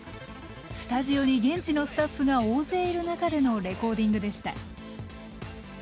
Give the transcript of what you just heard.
スタジオに現地のスタッフが大勢いる中でのレコーディングでした。